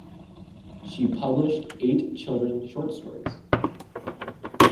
She published eight children short stories.